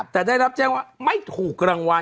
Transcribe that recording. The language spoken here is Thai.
แต่ได้รับแจ้งว่าไม่ถูกรางวัล